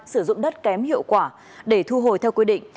sử dụng đất kém hiệu quả để thu hồi theo quy định